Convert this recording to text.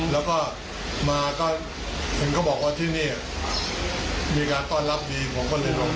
แล้วก็มาก็เห็นเขาบอกว่าที่นี่มีการต้อนรับดีผมก็เลยลง